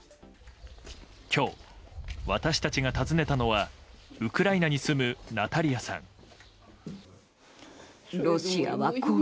今日、私たちが訪ねたのはウクライナに住むナタリアさん。